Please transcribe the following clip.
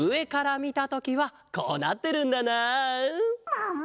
もも！